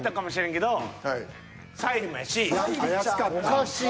おかしい。